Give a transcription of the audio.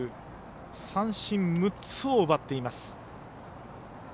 三振６つを奪っています。